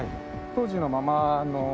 当時のままの。